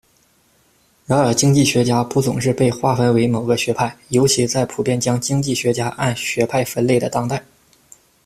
然而经济学家不总是被划分为某个学派，尤其在普遍将经济学家按学派分类的当代。